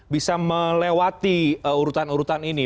bisa melewati urutan urutan ini